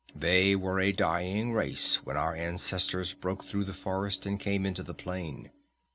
They were a dying race when our ancestors broke through the forest and came into the plain.